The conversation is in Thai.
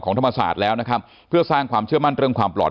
ธรรมศาสตร์แล้วนะครับเพื่อสร้างความเชื่อมั่นเรื่องความปลอด